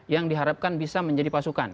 yang diharapkan bisa menjadi pasukan